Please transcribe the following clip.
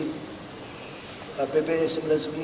kami akan mengambil langkah langkah untuk menguruskan hal ini